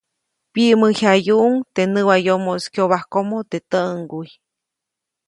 Pyiʼmäyjayuʼuŋ teʼ näwayomoʼis kyobajkomo teʼ täʼŋguy.